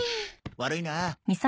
悪いな。